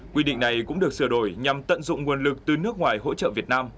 quy định này cũng được sửa đổi nhằm tận dụng nguồn lực từ nước ngoài hỗ trợ việt nam